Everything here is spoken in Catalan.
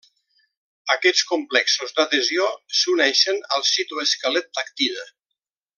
Aquests complexos d’adhesió s’uneixen al citoesquelet d’actina.